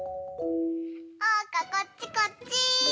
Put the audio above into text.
おうかこっちこっち！